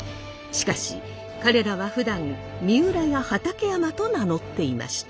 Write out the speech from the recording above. しかし彼らはふだん三浦や畠山と名乗っていました。